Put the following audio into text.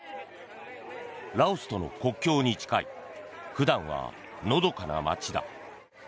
ラオスとの国境に近い普段はのどかな街だ。